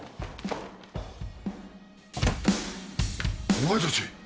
お前たち。